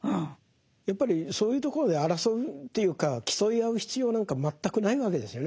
やっぱりそういうところで争うというか競い合う必要なんか全くないわけですよね。